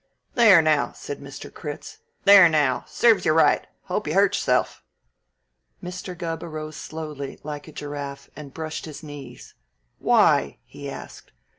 "There, now!" said Mr. Critz. "There, now! Serves you right. Hope you hurt chuself!" Mr. Gubb arose slowly, like a giraffe, and brushed his knees. "Why?" he asked.